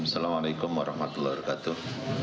assalamu'alaikum warahmatullahi wabarakatuh